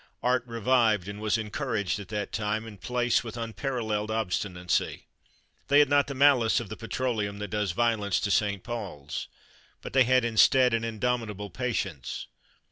Art revived and was encouraged at that time and place with unparalleled obstinacy. They had not the malice of the petroleum that does violence to St Paul's; but they had instead an indomitable patience.